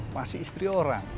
masih istri orang